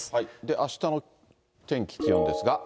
あしたの天気、気温ですが。